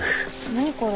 何これ？